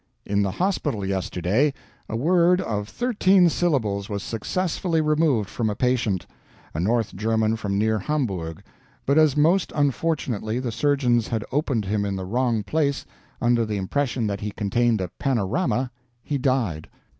In the hospital yesterday, a word of thirteen syllables was successfully removed from a patient a North German from near Hamburg; but as most unfortunately the surgeons had opened him in the wrong place, under the impression that he contained a panorama, he died.